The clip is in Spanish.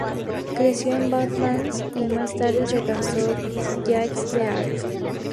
Creció en Vouthon-Bas y más tarde se casó Jacques de Arc.